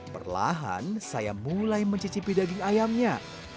perlahan saya mulai mencicipi daging ayamnya